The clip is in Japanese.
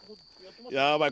やばい